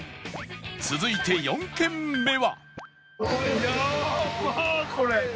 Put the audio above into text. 続いて４軒目は